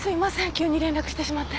急に連絡してしまって。